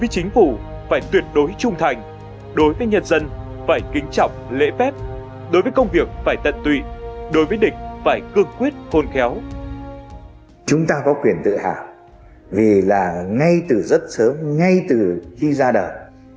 chúng ta có quyền tự hào vì là ngay từ rất sớm ngay từ khi ra đời